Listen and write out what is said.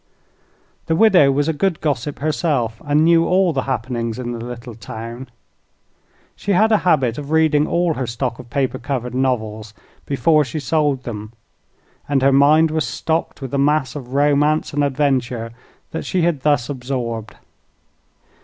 The widow was a good gossip herself, and knew all the happenings in the little town. She had a habit of reading all her stock of paper covered novels before she sold them, and her mind was stocked with the mass of romance and adventure she had thus absorbed.